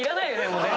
もうね。